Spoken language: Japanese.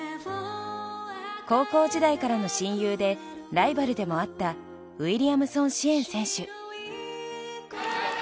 高校時代からの親友でライバルでもあったウイリアムソン師円選手。